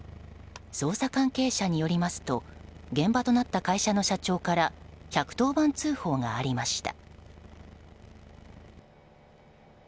捜査関係者によりますと現場となった会社の社長から１１０番通報がありました。